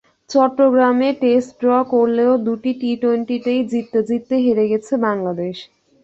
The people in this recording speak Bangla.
চট্টগ্রামে টেস্ট ড্র করলেও দুটি টি-টোয়েন্টিতেই জিততে জিততে হেরে গেছে বাংলাদেশ।